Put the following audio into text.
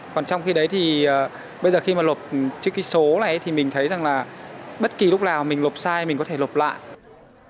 còn trong khi đấy thì bây giờ khi mà lộp chữ ký số này thì mình thấy rằng là bất kỳ lúc nào mình lộp sai mình có thể lộp lại